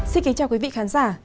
xin kính chào quý vị khán giả